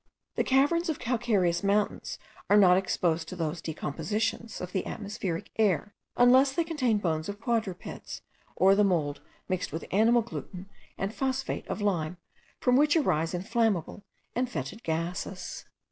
The caverns of calcareous mountains are not exposed to those decompositions of the atmospheric air, unless they contain bones of quadrupeds, or the mould mixed with animal gluten and phosphate of lime, from which arise inflammable and fetid gases.